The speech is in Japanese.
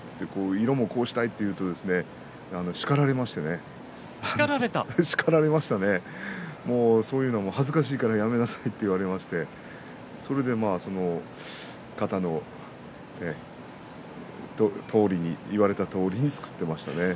色もこうしたいと言いますと叱られましてそういうの、恥ずかしいからやめなさいと言われましてそれでその方の言われたとおりに作っていました。